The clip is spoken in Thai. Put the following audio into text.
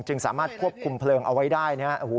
จึงสามารถควบคุมเพลิงเอาไว้ได้นะฮะ